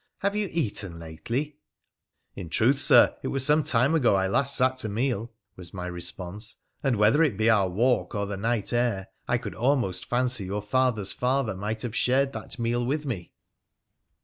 Have you eaten lately ?'' In truth, Sir, it was some time ago I last sat to meat,' was my response ;' and, whether it be our walk or the night air, I could almost fancy your father's father might have shared that meal with me.'